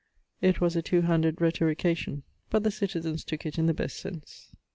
It was a two handed rhetorication, but the citizens tooke in the best sense.